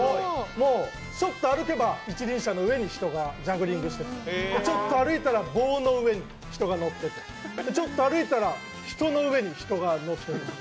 ちょっと歩けば、一輪車の上で人がジャグリングしていて、ちょっと歩いたら棒の上に人が乗っててちょっと歩いたら、人の上に人が乗ってる。